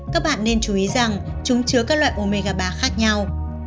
các bạn nên chú ý rằng chúng chứa các loại omega bạc khác nhau